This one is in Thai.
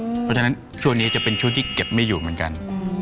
เพราะฉะนั้นช่วงนี้จะเป็นช่วงที่เก็บไม่อยู่เหมือนกัน